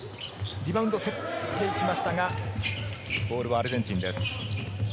リバウンド、競っていきましたが、ボールはアルゼンチンです。